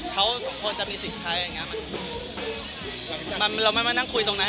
เขาสมควรจะมีสิทธิ์ใช้อย่างเงี้มันเราไม่มานั่งคุยตรงนั้น